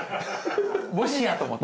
もしやと思って。